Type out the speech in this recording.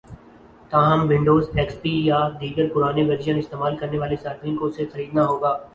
تاہم Windows, X P یا دیگر پرانے ورژن استعمال کرنے والے صارفین کو اسے خریدنا ہوگا